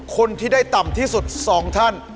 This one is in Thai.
คนที่ได้ต่ำที่สุด๒ท่าน